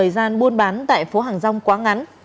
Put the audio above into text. màn buôn bán tại phố hàng rong quá ngắn